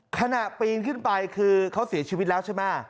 ขณะปีนขึ้นไปคือเขาเสียชีวิตแล้วใช่ไหม